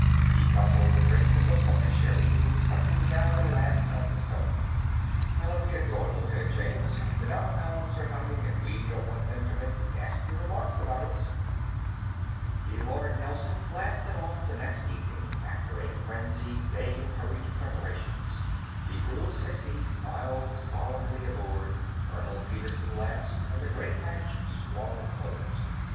He guzzled the drink and looked up at Sherri, who was sucking down the last of the soda. "Let's get going, Lieutenant James. The noncoms are coming, and we don't want them to make nasty remarks about us." The Lord Nelson blasted off the next evening, after a frenzied day of hurried preparations. The crew of sixty filed solemnly aboard, Colonel Petersen last, and the great hatch swung closed.